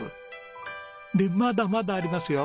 でまだまだありますよ。